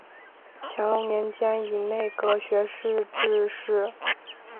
乾隆年间以内阁学士致仕。